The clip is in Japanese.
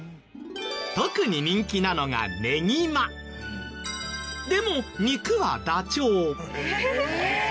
特に人気なのがでも肉はダチョウ。